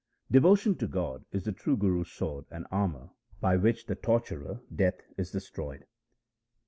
Devotion to God is the true Guru's sword and armour by which the torturer death is destroyed.